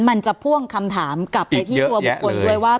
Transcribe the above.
มันจะพ่วงคำถามกลับไปที่ตัวบุคคลด้วยว่า